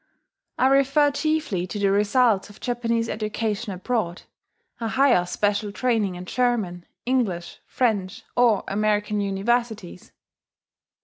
I refer chiefly to the results of Japanese education abroad, a higher special training in German, English, French, or American Universities.